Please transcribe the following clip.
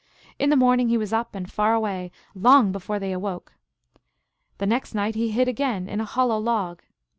In the morning he was up and far away long before they awoke. The next night he hid again in a hollow log.